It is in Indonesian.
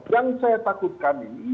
yang saya takutkan ini